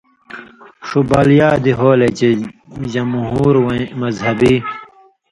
ݜُو بال یادی ہولئ چے جمہوروَیں مذہبی